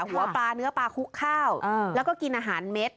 หัวปลาเนื้อปลาคุกข้าวแล้วก็กินอาหารเม็ด